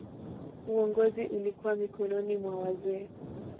Uongozi ulikuwa mikononi mwa wazee.